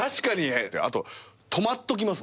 あと止まっときますもん。